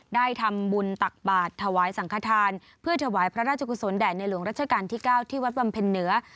ได้ทำบุญตักบาทถวายสังขทานเพื่อถวายพระราชกุศลแด่ในหลวงรัชกาลที่๙ที่วัดบำเพ็ญเหนือ